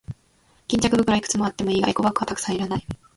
巾着袋はいくつあってもいいが、エコバッグはたくさんはいらない。